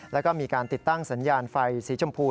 แล้วก็มีการติดตั้งสัญญาณไฟสีชมพู